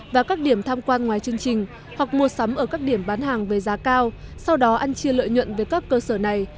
và các điểm tham quan ngoài chương trình hoặc mua sắm ở các điểm bán hàng với giá cao sau đó ăn chia lợi nhuận về các cơ sở này